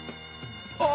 あ！